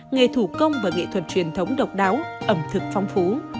nghề thủ công và nghệ thuật truyền thống độc đáo ẩm thực phong phú